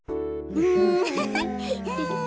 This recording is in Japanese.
うん。